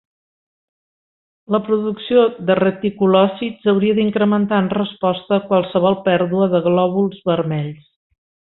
La producció de reticulòcits hauria d'incrementar en resposta a qualsevol pèrdua de glòbuls vermells.